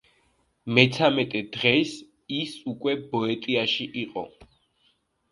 მეცამეტე დღეს ის უკვე ბეოტიაში იყო.